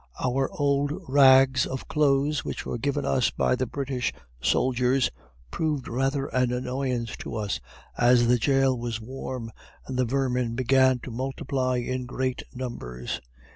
Our old rags of clothes, which were given us by the British soldiers, proved rather an annoyance to us, as the jail was warm and the vermin began to multiply in great numbers.